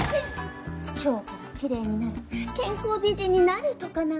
腸からきれいになる健康美人になるとか何とか。